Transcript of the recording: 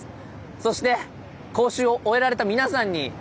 そして講習を終えられた皆さんにえ？